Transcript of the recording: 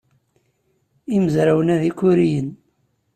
Imezrawen-a d ikuriyen.